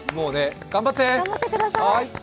頑張って！